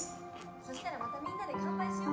そしたらまたみんなで乾杯しよう。